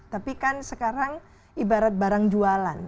tapi kan sekarang ibarat barang jualan